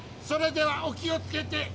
それではお気をつけて。